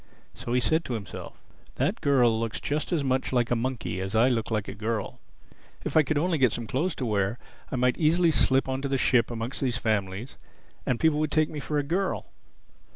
So he said to himself, "That girl looks just as much like a monkey as I look like a girl. If I could only get some clothes to wear I might easily slip on to the ship amongst these families, and people would take me for a girl.